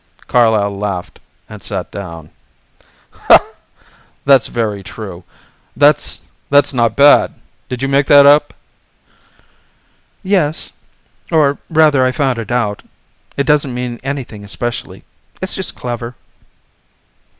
'" Carlyle laughed and sat down. "That's very true. That's that's not bad. Did you make that up?" "Yes or rather I found it out. It doesn't mean anything especially. It's just clever."